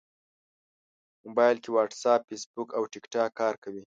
موبایل کې واټساپ، فېسبوک او ټېکټاک کار کوي.